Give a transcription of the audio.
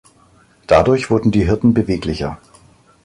Dadurch wurden die Hirten beweglicher.